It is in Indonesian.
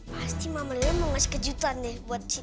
pasti mama lila mau ngasih kejutan deh buat si